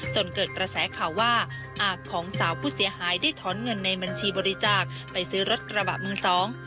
จนเกิดกระแสข่าวว่าอาจของสาวผู้เสียหายได้ถอนเงินในบัญชีบริจาคไปซื้อรถกระบะมือสอง